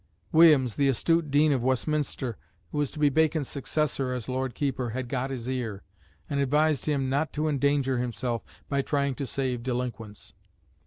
Williams, the astute Dean of Westminster, who was to be Bacon's successor as Lord Keeper, had got his ear, and advised him not to endanger himself by trying to save delinquents.